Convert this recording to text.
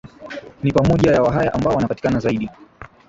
ni pamoja na Wahaya ambao wanapatikana zaidi